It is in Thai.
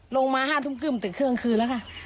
ลงมา๕ทุ่มครึ่งติดเครื่องคืนแล้วค่ะ